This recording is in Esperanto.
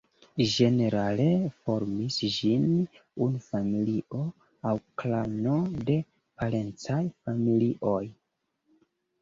Ĝenerale formis ĝin unu familio aŭ klano de parencaj familioj.